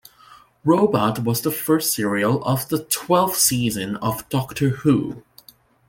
"Robot" was the first serial of the twelfth season of "Doctor Who".